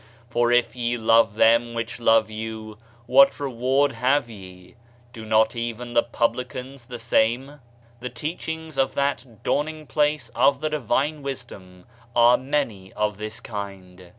For if ye love them which love you, what reward have ye? do not even the publicans the same?" The teachings of that Dawning place of the divine wisdom are many of this kind.